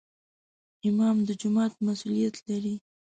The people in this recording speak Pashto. امام د جومات مسؤولیت لري